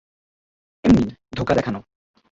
এমনি, ধোঁকা দেখানো।